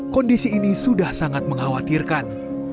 kondisi ini sudah sangat mengkhawatirkan